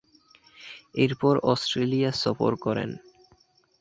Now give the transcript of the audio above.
এরপর অস্ট্রেলিয়া সফর করেন।